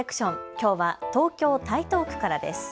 きょうは東京台東区からです。